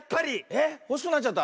えっほしくなっちゃった？